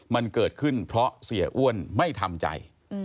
มันเกิดขึ้นเพราะเสียอ้วนไม่ทำใจ